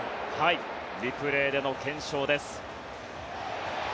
リプレーでの検証です。